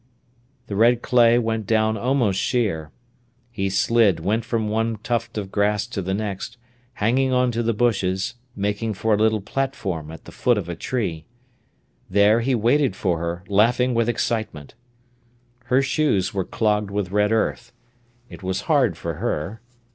The red clay went down almost sheer. He slid, went from one tuft of grass to the next, hanging on to the bushes, making for a little platform at the foot of a tree. There he waited for her, laughing with excitement. Her shoes were clogged with red earth. It was hard for her.